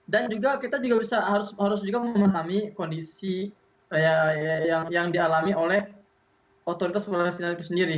dan juga kita harus memahami kondisi yang dialami oleh otoritas palestina sendiri